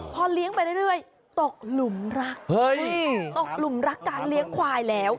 พอเลี้ยงไปเรื่อยตกหลุมรักตกหลุมรักการเลี้ยงควายแล้ว